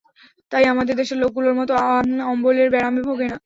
তাই আমাদের দেশের লোকগুলোর মত অম্বলের ব্যারামে ভোগে না।